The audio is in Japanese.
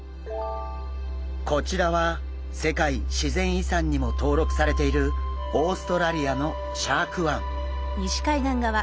こちらは世界自然遺産にも登録されているオーストラリアのシャーク湾。